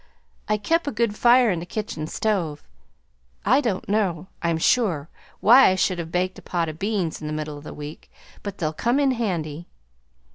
I kep' a good fire in the kitchen stove. I don't know, I'm sure, why I should have baked a pot o' beans in the middle of the week, but they'll come in handy.